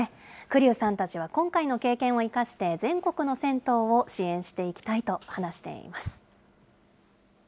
栗生さんたちは今回の経験を生かして、全国の銭湯を支援していきたいと話しています。